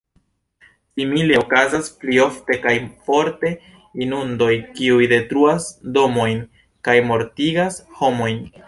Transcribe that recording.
Simile okazas pli ofte kaj forte inundoj, kiuj detruas domojn kaj mortigas homojn.